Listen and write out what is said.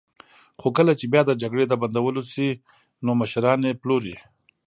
خو کله چې بیا د جګړې د بندولو شي، نو مشران یې پلوري.